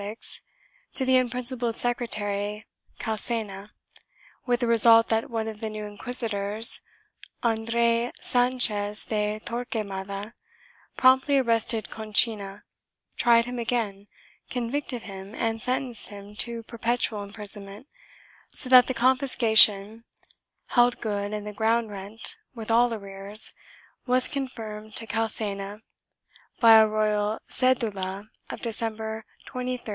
a year had been given, in April, 1506, to the unprincipled secretary Calcena, with the result that one of the new inquisitors, Andres Sanchez de Torquemada, promptly arrested Conchina, tried him again, convicted him and sentenced him to perpetual imprison ment, so that the confiscation held good and the ground rent, with all arrears, was confirmed to Calcena by a royal cedula of December 23, 1509.